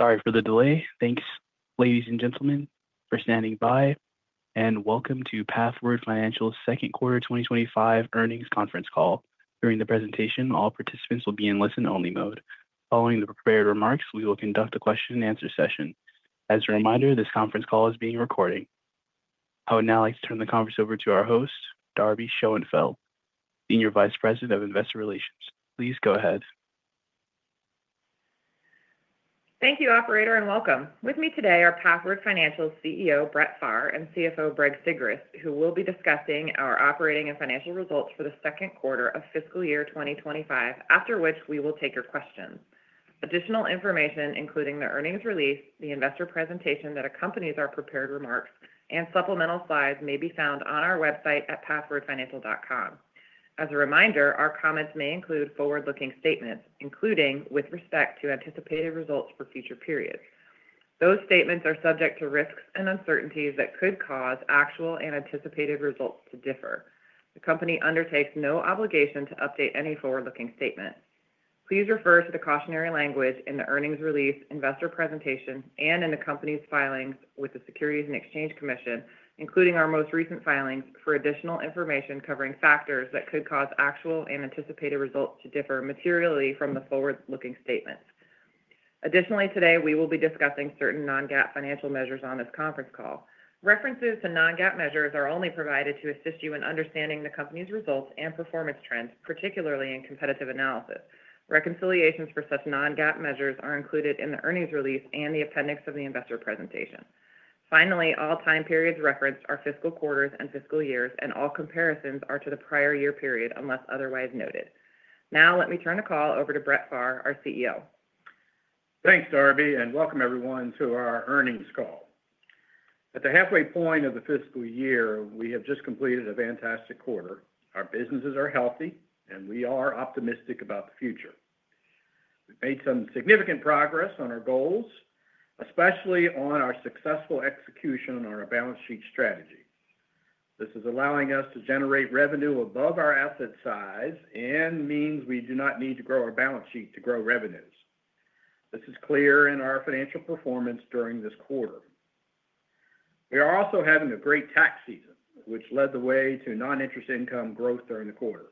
Sorry for the delay. Thanks, ladies and gentlemen, for standing by, and welcome to Pathward Financial's second quarter 2025 earnings conference call. During the presentation, all participants will be in listen-only mode. Following the prepared remarks, we will conduct a question-and-answer session. As a reminder, this conference call is being recorded. I would now like to turn the conference over to our host, Darby Schoenfeld, Senior Vice President of Investor Relations. Please go ahead. Thank you, Operator, and welcome. With me today are Pathward Financial's CEO, Brett Pharr, and CFO, Greg Sigrist, who will be discussing our operating and financial results for the second quarter of fiscal year 2025, after which we will take your questions. Additional information, including the earnings release, the investor presentation that accompanies our prepared remarks, and supplemental slides, may be found on our website at pathwardfinancial.com. As a reminder, our comments may include forward-looking statements, including with respect to anticipated results for future periods. Those statements are subject to risks and uncertainties that could cause actual and anticipated results to differ. The company undertakes no obligation to update any forward-looking statement. Please refer to the cautionary language in the earnings release, investor presentation, and in the company's filings with the Securities and Exchange Commission, including our most recent filings, for additional information covering factors that could cause actual and anticipated results to differ materially from the forward-looking statements. Additionally, today we will be discussing certain non-GAAP financial measures on this conference call. References to non-GAAP measures are only provided to assist you in understanding the company's results and performance trends, particularly in competitive analysis. Reconciliations for such non-GAAP measures are included in the earnings release and the appendix of the investor presentation. Finally, all time periods referenced are fiscal quarters and fiscal years, and all comparisons are to the prior year period unless otherwise noted. Now, let me turn the call over to Brett Pharr, our CEO. Thanks, Darby, and welcome, everyone, to our earnings call. At the halfway point of the fiscal year, we have just completed a fantastic quarter. Our businesses are healthy, and we are optimistic about the future. We've made some significant progress on our goals, especially on our successful execution on our balance sheet strategy. This is allowing us to generate revenue above our asset size and means we do not need to grow our balance sheet to grow revenues. This is clear in our financial performance during this quarter. We are also having a great tax season, which led the way to non-interest income growth during the quarter.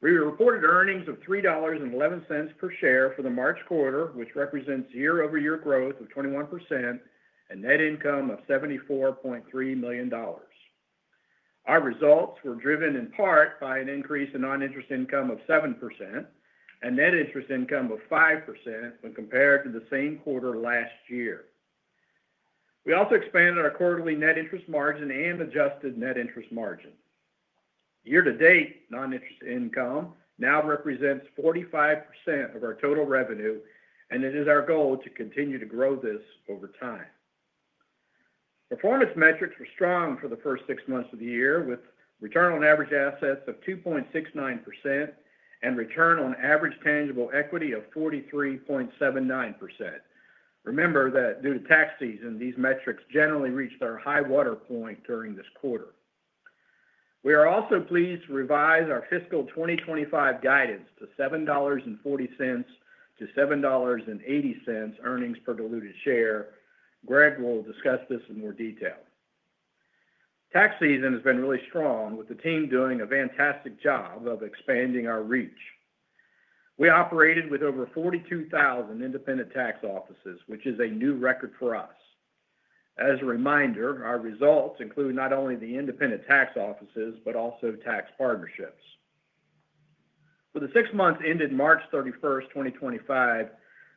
We reported earnings of $3.11 per share for the March quarter, which represents year-over-year growth of 21% and net income of $74.3 million. Our results were driven in part by an increase in non-interest income of 7% and net interest income of 5% when compared to the same quarter last year. We also expanded our quarterly net interest margin and adjusted net interest margin. Year-to-date non-interest income now represents 45% of our total revenue, and it is our goal to continue to grow this over time. Performance metrics were strong for the first six months of the year, with return on average assets of 2.69% and return on average tangible equity of 43.79%. Remember that due to tax season, these metrics generally reached their high water point during this quarter. We are also pleased to revise our fiscal 2025 guidance to $7.40-$7.80 earnings per diluted share. Greg will discuss this in more detail. Tax season has been really strong, with the team doing a fantastic job of expanding our reach. We operated with over 42,000 independent tax offices, which is a new record for us. As a reminder, our results include not only the independent tax offices but also tax partnerships. For the six months ended March 31, 2025,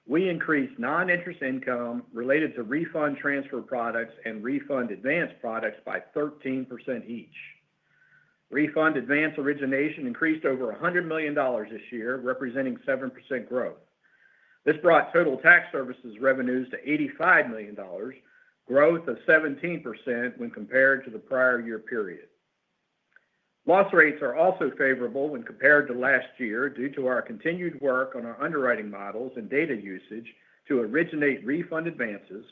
we increased non-interest income related to Refund Transfer products and Refund Advance products by 13% each. Refund Advance origination increased over $100 million this year, representing 7% growth. This brought total Tax Services revenues to $85 million, growth of 17% when compared to the prior year period. Loss rates are also favorable when compared to last year due to our continued work on our underwriting models and data usage to originate Refund Advances,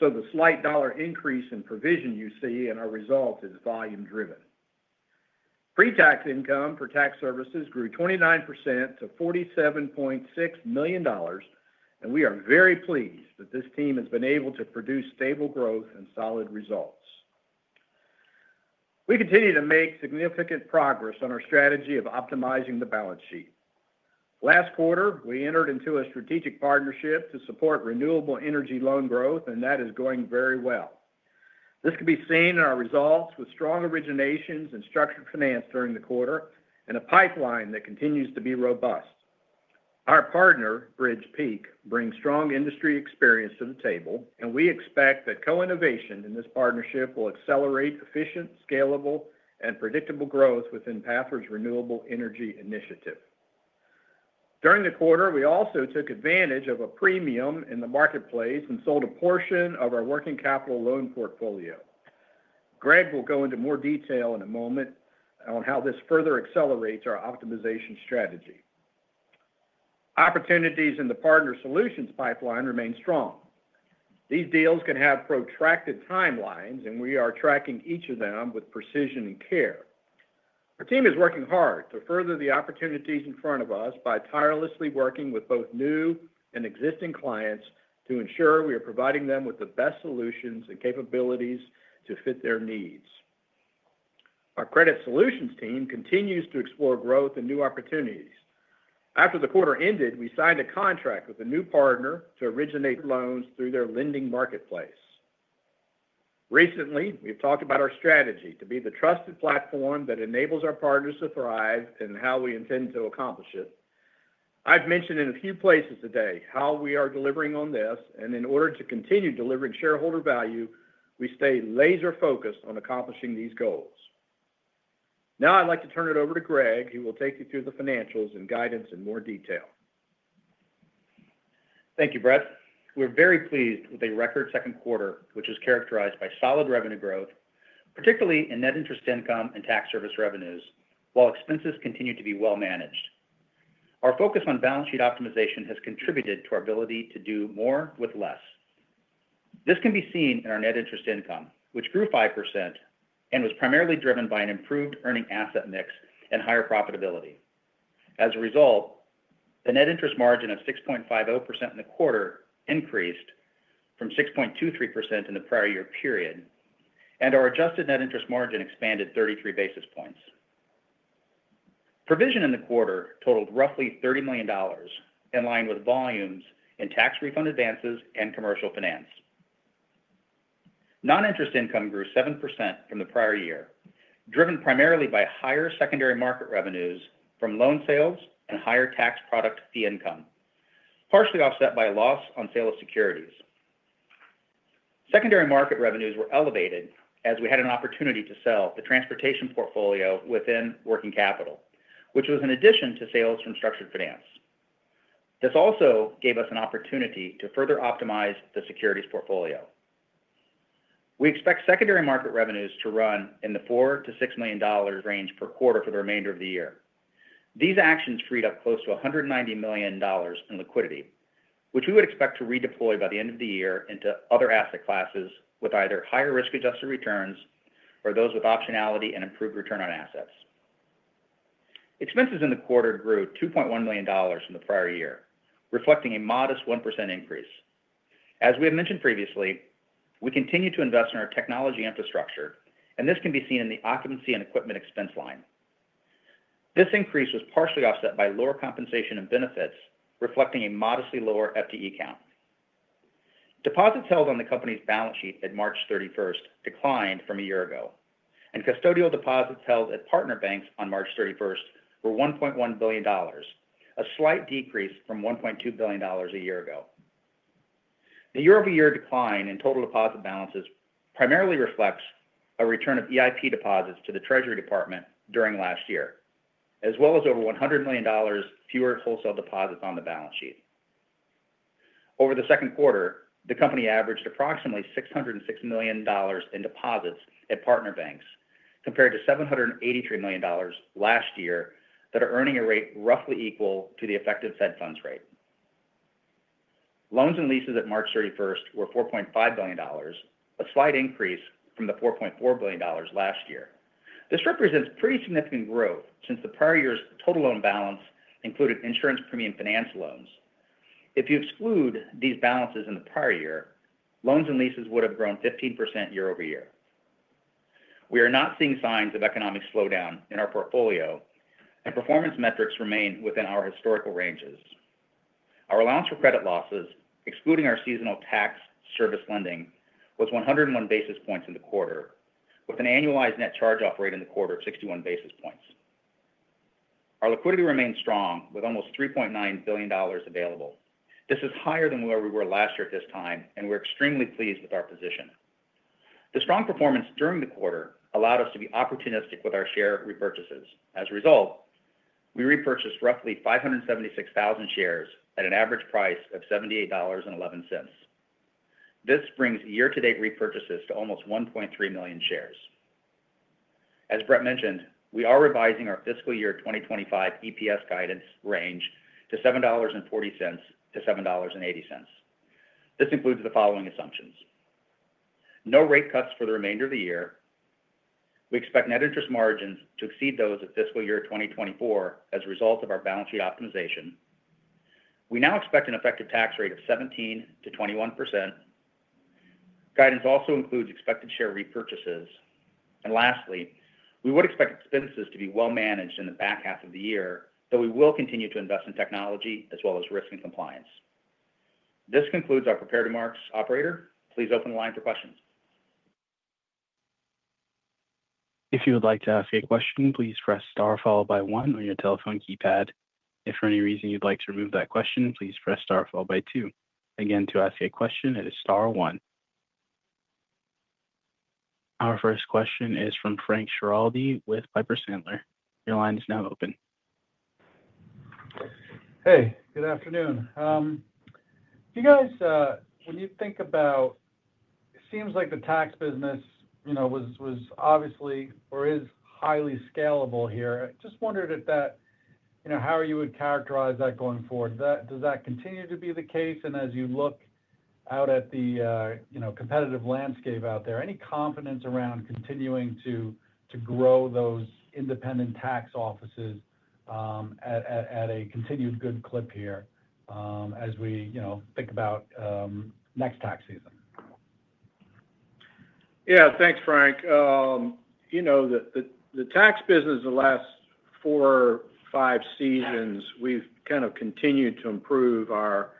so the slight dollar increase in provision you see in our results is volume-driven. Pre-tax income for Tax Services grew 29% to $47.6 million, and we are very pleased that this team has been able to produce stable growth and solid results. We continue to make significant progress on our strategy of optimizing the balance sheet. Last quarter, we entered into a strategic partnership to support renewable energy loan growth, and that is going very well. This can be seen in our results with strong originations and Structured Finance during the quarter and a pipeline that continues to be robust. Our partner, Bridgepeak, brings strong industry experience to the table, and we expect that co-innovation in this partnership will accelerate efficient, scalable, and predictable growth within Pathward's renewable energy initiative. During the quarter, we also took advantage of a premium in the marketplace and sold a portion of our Working Capital loan portfolio. Greg will go into more detail in a moment on how this further accelerates our optimization strategy. Opportunities in the Partner Solutions pipeline remain strong. These deals can have protracted timelines, and we are tracking each of them with precision and care. Our team is working hard to further the opportunities in front of us by tirelessly working with both new and existing clients to ensure we are providing them with the best solutions and capabilities to fit their needs. Our Credit Solutions team continues to explore growth and new opportunities. After the quarter ended, we signed a contract with a new partner to originate loans through their lending marketplace. Recently, we've talked about our strategy to be the trusted platform that enables our partners to thrive and how we intend to accomplish it. I've mentioned in a few places today how we are delivering on this, and in order to continue delivering shareholder value, we stay laser-focused on accomplishing these goals. Now, I'd like to turn it over to Greg, who will take you through the financials and guidance in more detail. Thank you, Brett. We're very pleased with a record second quarter, which is characterized by solid revenue growth, particularly in net interest income and tax service revenues, while expenses continue to be well-managed. Our focus on balance sheet optimization has contributed to our ability to do more with less. This can be seen in our net interest income, which grew 5% and was primarily driven by an improved earning asset mix and higher profitability. As a result, the net interest margin of 6.50% in the quarter increased from 6.23% in the prior year period, and our adjusted net interest margin expanded 33 basis points. Provision in the quarter totaled roughly $30 million in line with volumes in tax Refund Advances and commercial finance. Non-interest income grew 7% from the prior year, driven primarily by higher secondary market revenues from loan sales and higher tax product fee income, partially offset by a loss on sale of securities. Secondary market revenues were elevated as we had an opportunity to sell the transportation portfolio within Working Capital, which was in addition to sales from Structured Finance. This also gave us an opportunity to further optimize the securities portfolio. We expect secondary market revenues to run in the $4-$6 million range per quarter for the remainder of the year. These actions freed up close to $190 million in liquidity, which we would expect to redeploy by the end of the year into other asset classes with either higher risk-adjusted returns or those with optionality and improved return on assets. Expenses in the quarter grew $2.1 million in the prior year, reflecting a modest 1% increase. As we have mentioned previously, we continue to invest in our technology infrastructure, and this can be seen in the occupancy and equipment expense line. This increase was partially offset by lower compensation and benefits, reflecting a modestly lower FTE count. Deposits held on the company's balance sheet at March 31 declined from a year ago, and custodial deposits held at partner banks on March 31 were $1.1 billion, a slight decrease from $1.2 billion a year ago. The year-over-year decline in total deposit balances primarily reflects a return of EIP deposits to the Treasury Department during last year, as well as over $100 million fewer wholesale deposits on the balance sheet. Over the second quarter, the company averaged approximately $606 million in deposits at partner banks, compared to $783 million last year that are earning a rate roughly equal to the effective Fed funds rate. Loans and leases at March 31 were $4.5 billion, a slight increase from the $4.4 billion last year. This represents pretty significant growth since the prior year's total loan balance included insurance premium finance loans. If you exclude these balances in the prior year, loans and leases would have grown 15% year-over-year. We are not seeing signs of economic slowdown in our portfolio, and performance metrics remain within our historical ranges. Our allowance for credit losses, excluding our seasonal Tax Services lending, was 101 basis points in the quarter, with an annualized net charge-off rate in the quarter of 61 basis points. Our liquidity remained strong, with almost $3.9 billion available. This is higher than where we were last year at this time, and we're extremely pleased with our position. The strong performance during the quarter allowed us to be opportunistic with our share repurchases. As a result, we repurchased roughly 576,000 shares at an average price of $78.11. This brings year-to-date repurchases to almost 1.3 million shares. As Brett mentioned, we are revising our fiscal year 2025 EPS guidance range to $7.40-$7.80. This includes the following assumptions: no rate cuts for the remainder of the year, we expect net interest margins to exceed those of fiscal year 2024 as a result of our balance sheet optimization, we now expect an effective tax rate of 17%-21%. Guidance also includes expected share repurchases. Lastly, we would expect expenses to be well-managed in the back half of the year, though we will continue to invest in technology as well as risk and compliance. This concludes our prepared remarks, operator. Please open the line for questions. If you would like to ask a question, please press star followed by one on your telephone keypad. If for any reason you'd like to remove that question, please press star followed by two. Again, to ask a question, it is star one. Our first question is from Frank Schiraldi with Piper Sandler. Your line is now open. Hey, good afternoon. You guys, when you think about, it seems like the tax business was obviously or is highly scalable here. I just wondered if that, how you would characterize that going forward. Does that continue to be the case? As you look out at the competitive landscape out there, any confidence around continuing to grow those independent tax offices at a continued good clip here as we think about next tax season? Yeah, thanks, Frank. You know the tax business the last four or five seasons, we've kind of continued to improve our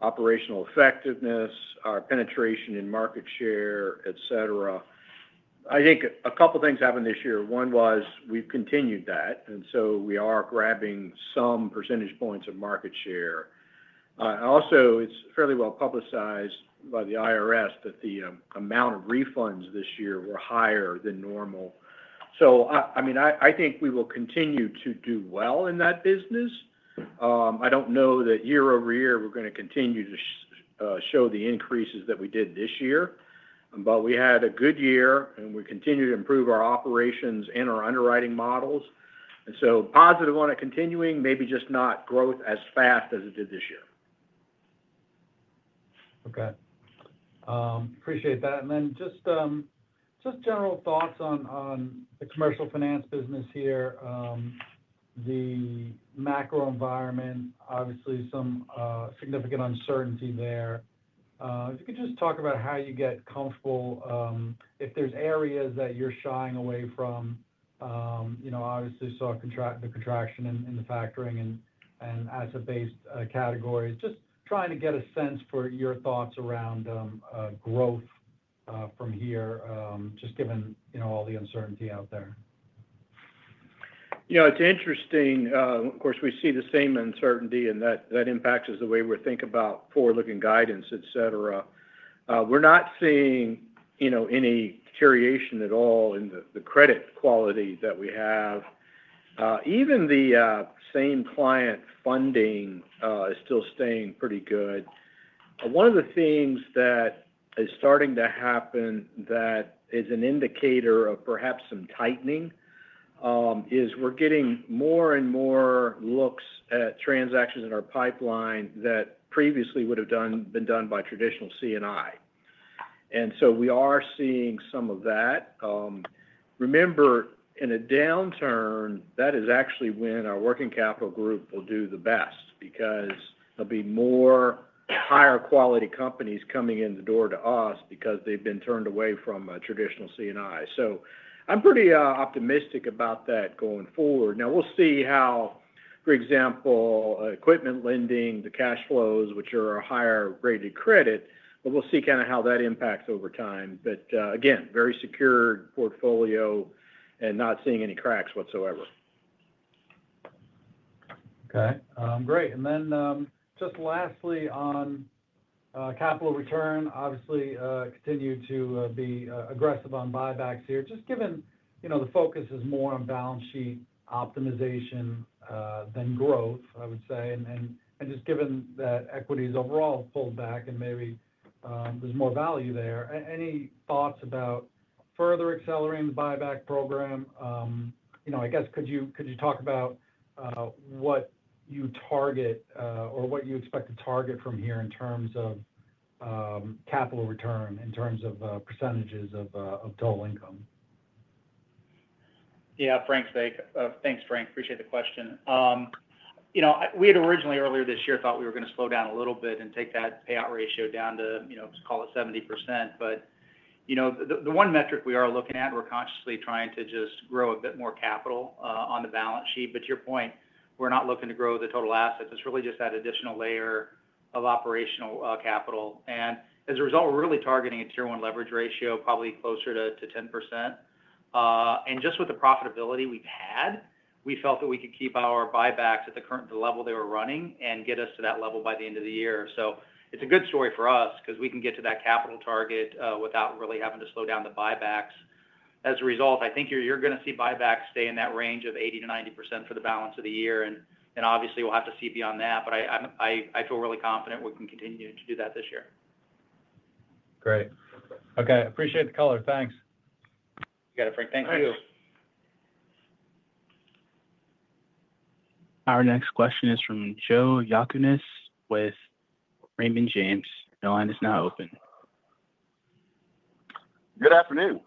operational effectiveness, our penetration in market share, etc. I think a couple of things happened this year. One was we've continued that, and so we are grabbing some percentage points of market share. Also, it's fairly well publicized by the IRS that the amount of refunds this year were higher than normal. I mean, I think we will continue to do well in that business. I don't know that year over year we're going to continue to show the increases that we did this year, but we had a good year and we continue to improve our operations and our underwriting models. And so positive on a continuing, maybe just not growth as fast as it did this year. Okay. Appreciate that. Just general thoughts on the commercial finance business here, the macro environment, obviously some significant uncertainty there. If you could just talk about how you get comfortable if there's areas that you're shying away from, obviously saw the contraction in the factoring and asset-based categories. Just trying to get a sense for your thoughts around growth from here, just given all the uncertainty out there. Yeah, it's interesting. Of course, we see the same uncertainty and that impacts the way we think about forward-looking guidance, etc. We're not seeing any deterioration at all in the credit quality that we have. Even the same client funding is still staying pretty good. One of the things that is starting to happen that is an indicator of perhaps some tightening is we're getting more and more looks at transactions in our pipeline that previously would have been done by traditional C&I. We are seeing some of that. Remember, in a downturn, that is actually when our Working Capital group will do the best because there will be more higher quality companies coming in the door to us because they've been turned away from traditional C&I. I'm pretty optimistic about that going forward. Now, we'll see how, for example, equipment lending, the cash flows, which are a higher-rated credit, but we'll see kind of how that impacts over time. Again, very secure portfolio and not seeing any cracks whatsoever. Okay. Great. Lastly, on capital return, obviously continue to be aggressive on buybacks here. Just given the focus is more on balance sheet optimization than growth, I would say, and just given that equities overall have pulled back and maybe there is more value there. Any thoughts about further accelerating the buyback program? I guess, could you talk about what you target or what you expect to target from here in terms of capital return, in terms of percentages of total income? Yeah, thanks, Frank. Appreciate the question. We had originally, earlier this year, thought we were going to slow down a little bit and take that payout ratio down to, call it, 70%. The one metric we are looking at, we're consciously trying to just grow a bit more capital on the balance sheet. To your point, we're not looking to grow the total assets. It's really just that additional layer of operational capital. As a result, we're really targeting a Tier 1 leverage ratio, probably closer to 10%. Just with the profitability we've had, we felt that we could keep our buybacks at the level they were running and get us to that level by the end of the year. It's a good story for us because we can get to that capital target without really having to slow down the buybacks. As a result, I think you're going to see buybacks stay in that range of 80-90% for the balance of the year. Obviously, we'll have to see beyond that, but I feel really confident we can continue to do that this year. Great. Okay. Appreciate the color. Thanks. You got it, Frank. Thank you. Our next question is from Joseph Yanchunis with Raymond James. The line is now open. Good afternoon.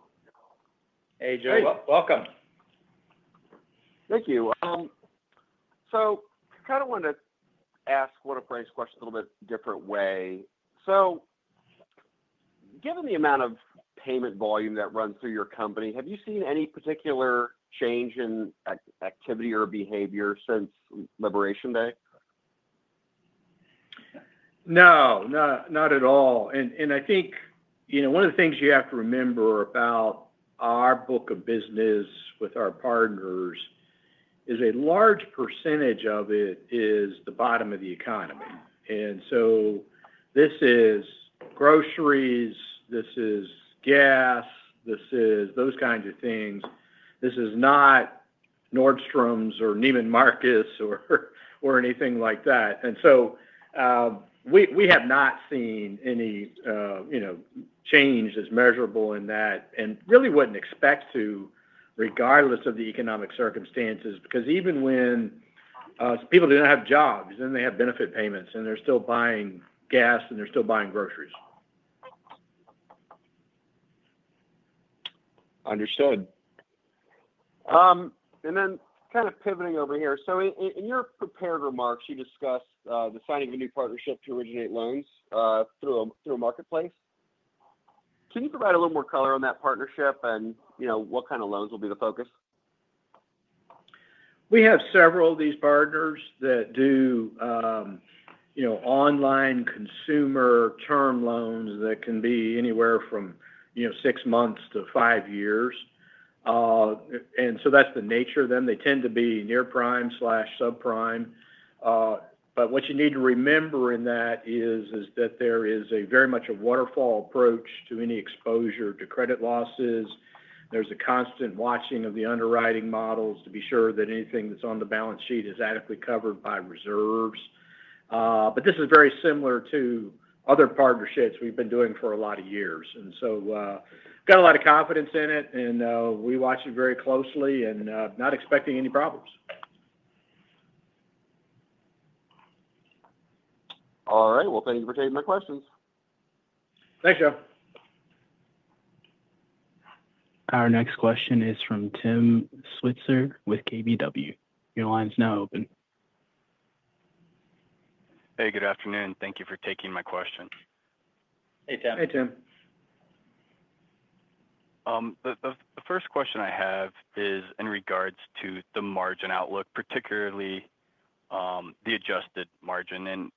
Hey, Joseph. Welcome. Thank you. I kind of wanted to ask one of Frank's questions a little bit different way. Given the amount of payment volume that runs through your company, have you seen any particular change in activity or behavior since Labor Day? No, not at all. I think one of the things you have to remember about our book of business with our partners is a large percentage of it is the bottom of the economy. This is groceries, this is gas, this is those kinds of things. This is not Nordstrom or Neiman Marcus or anything like that. We have not seen any change as measurable in that and really would not expect to, regardless of the economic circumstances, because even when people do not have jobs, they have benefit payments and they are still buying gas and they are still buying groceries. Understood. Kind of pivoting over here. In your prepared remarks, you discussed the signing of a new partnership to originate loans through a marketplace. Can you provide a little more color on that partnership and what kind of loans will be the focus? We have several of these partners that do online consumer term loans that can be anywhere from six months to five years. That is the nature of them. They tend to be near prime slash subprime. What you need to remember in that is that there is very much a waterfall approach to any exposure to credit losses. There is a constant watching of the underwriting models to be sure that anything that is on the balance sheet is adequately covered by reserves. This is very similar to other partnerships we have been doing for a lot of years. We have a lot of confidence in it and we watch it very closely and are not expecting any problems. All right. Thank you for taking my questions. Thanks, Joe. Our next question is from Tim Switzer with KBW. Your line is now open. Hey, good afternoon. Thank you for taking my question. Hey, Tim. Hey, Tim. The first question I have is in regards to the margin outlook, particularly the adjusted margin.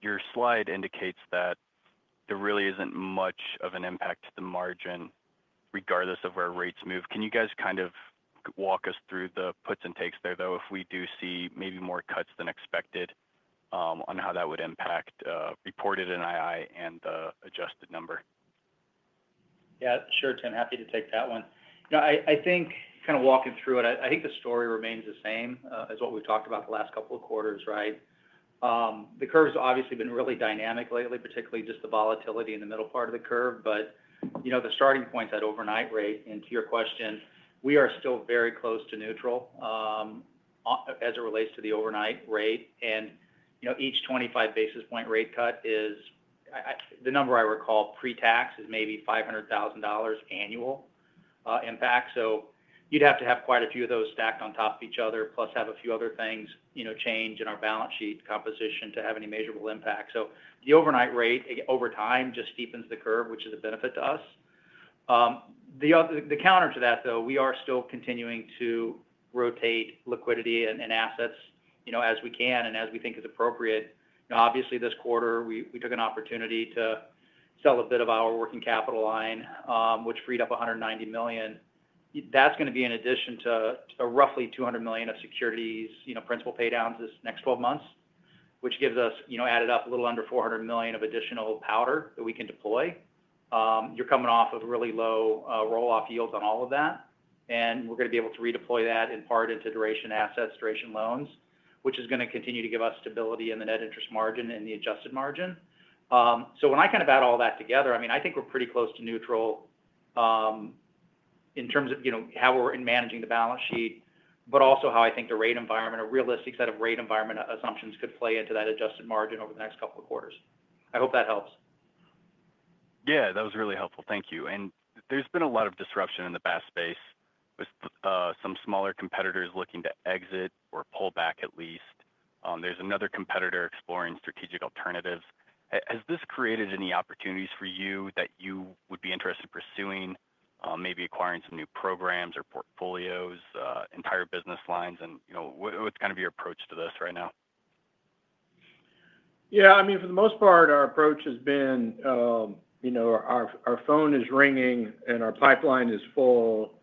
Your slide indicates that there really isn't much of an impact to the margin regardless of where rates move. Can you guys kind of walk us through the puts and takes there, though, if we do see maybe more cuts than expected on how that would impact reported NII and the adjusted number? Yeah, sure, Tim. Happy to take that one. I think kind of walking through it, I think the story remains the same as what we've talked about the last couple of quarters, right? The curve has obviously been really dynamic lately, particularly just the volatility in the middle part of the curve. The starting point at overnight rate, and to your question, we are still very close to neutral as it relates to the overnight rate. Each 25 basis point rate cut is, the number I recall, pre-tax is maybe $500,000 annual impact. You'd have to have quite a few of those stacked on top of each other, plus have a few other things change in our balance sheet composition to have any measurable impact. The overnight rate over time just steepens the curve, which is a benefit to us. The counter to that, though, we are still continuing to rotate liquidity and assets as we can and as we think is appropriate. Obviously, this quarter, we took an opportunity to sell a bit of our Working Capital line, which freed up $190 million. That's going to be in addition to roughly $200 million of securities, principal paydowns this next 12 months, which gives us added up a little under $400 million of additional powder that we can deploy. You're coming off of really low roll-off yields on all of that. And we're going to be able to redeploy that in part into duration assets, duration loans, which is going to continue to give us stability in the net interest margin and the adjusted margin. When I kind of add all that together, I mean, I think we're pretty close to neutral in terms of how we're managing the balance sheet, but also how I think the rate environment, a realistic set of rate environment assumptions could play into that adjusted margin over the next couple of quarters. I hope that helps. Yeah, that was really helpful. Thank you. There has been a lot of disruption in the BaaS space with some smaller competitors looking to exit or pull back at least. There is another competitor exploring strategic alternatives. Has this created any opportunities for you that you would be interested in pursuing, maybe acquiring some new programs or portfolios, entire business lines? What is kind of your approach to this right now? Yeah, I mean, for the most part, our approach has been our phone is ringing and our pipeline is full.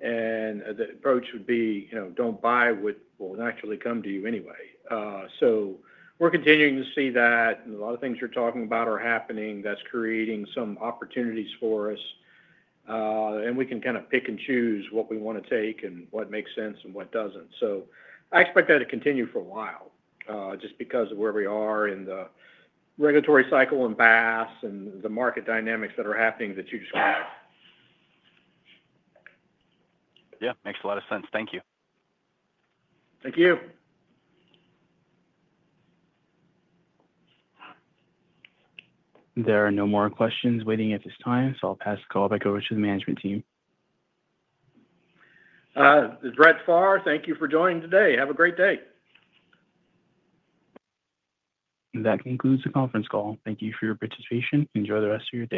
The approach would be don't buy what will naturally come to you anyway. We are continuing to see that. A lot of things you're talking about are happening that's creating some opportunities for us. We can kind of pick and choose what we want to take and what makes sense and what doesn't. I expect that to continue for a while just because of where we are in the regulatory cycle and BaaS and the market dynamics that are happening that you described. Yeah, makes a lot of sense. Thank you. Thank you. There are no more questions waiting at this time, so I'll pass the call back over to the management team. This is Brett Pharr, thank you for joining today. Have a great day. That concludes the conference call. Thank you for your participation. Enjoy the rest of your day.